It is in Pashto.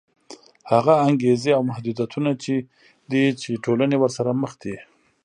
هغه انګېزې او محدودیتونه دي چې ټولنې ورسره مخ دي.